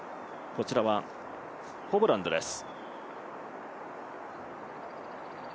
こちらはホブランドです。